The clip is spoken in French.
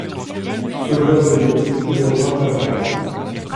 Sauveur de Lyon, il revint à Paris.